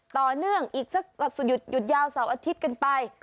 ต่อเนื่องอีกสักหยุดยาวเสาร์อาทิตย์กันไป